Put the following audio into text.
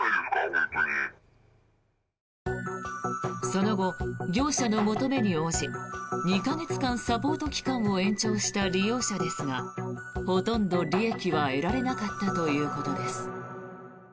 その後、業者の求めに応じ２か月間サポート期間を延長した利用者ですがほとんど利益は得られなかったということです。